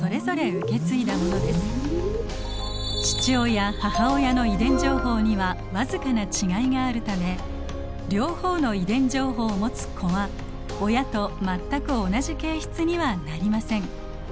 父親母親の遺伝情報には僅かな違いがあるため両方の遺伝情報を持つ子は親と全く同じ形質にはなりません。